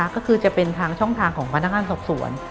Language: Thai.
ก็คือจะเป็นทางช่องทางของพนักงานสอบสวน